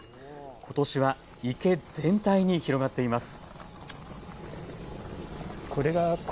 ことしは池全体に広がっています。